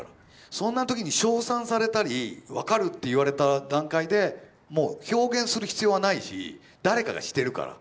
そんな時に称賛されたり分かるって言われた段階でもう表現する必要はないし誰かがしてるから。